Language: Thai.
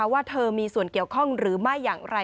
ว่าเธอมีส่วนเกี่ยวข้องหรือไม่อย่างไร